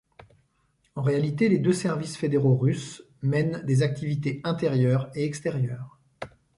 En réalité, les deux services fédéraux russes mènent des activités intérieures et extérieures.